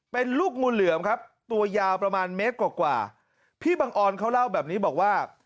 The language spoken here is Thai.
เป็นลูกงูเหลือมครับตัวยาวประมาณเมตรกว่ากว่าพี่บังออนเขาเล่าแบบนี้บอกว่า